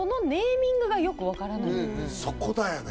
はいそこだよね